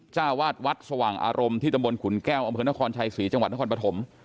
เจ้าวาดวัดสว่างอารมณ์ที่ตำบลขุนแก้วอำเภอนครชัยศรีจังหวัดนครปฐม